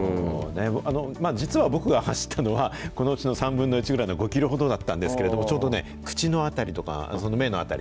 実は僕が走ったのは、このうちの３分の１ぐらいの５キロほどだったんですけれども、ちょうどね、口の辺りとか、その目の辺り。